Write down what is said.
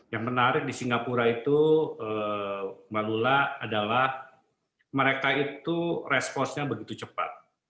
yang menarik di singapura itu mabula adalah mereka itu responnya begitu cepat